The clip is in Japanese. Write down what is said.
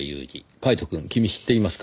カイトくん君知っていますか？